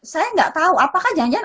saya nggak tahu apakah janjian